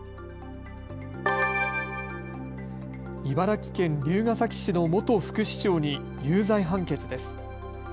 茨城県龍ケ崎市の元副市長に有罪判決です。